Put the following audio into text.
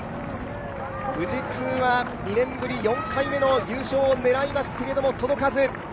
富士通は２年ぶり４回目の優勝を狙いましたけど届かず。